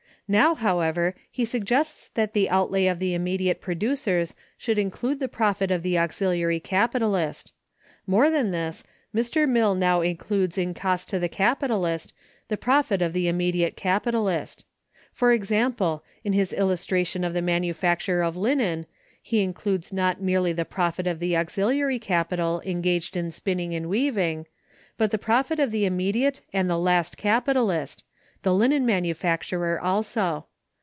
Now, however, he suggests that the outlay of the immediate producers should include the profit of the auxiliary capitalist. More than this, Mr. Mill now includes in cost to the capitalist the profit of the immediate capitalist. For example, in his illustration of the manufacture of linen, he includes not merely the profit of the auxiliary capital engaged in spinning and weaving, but the profit of the immediate and last capitalist, the linen manufacturer, also.